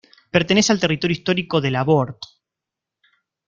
Pertenece al territorio histórico de Labort.